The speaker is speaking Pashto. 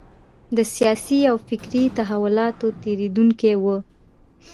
د سیاسي او فکري تحولاتو تېرېدونکی و.